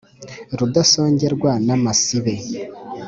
Rudasongerwa n’ amasibe